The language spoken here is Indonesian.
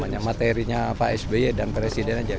belum itu kan materinya pak sp dan presiden saja